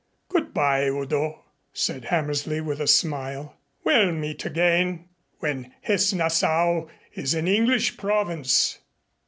"Good by, Udo," said Hammersley with a smile. "We'll meet again, when Hesse Nassau is an English province."